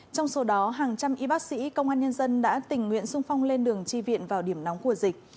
trong số đó hàng trăm y bác sĩ công an nhân dân đã tình nguyện sung phong lên đường chi viện vào điểm nóng của dịch